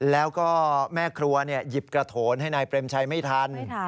แล้วก็แม่ครัวหยิบกระโถนให้นายเปรมชัยไม่ทัน